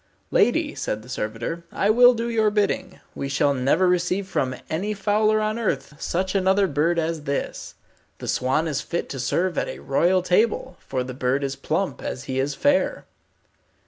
"Lady," said the servitor, "I will do your bidding. We shall never receive from any fowler on earth such another bird as this. The swan is fit to serve at a royal table, for the bird is plump as he is fair."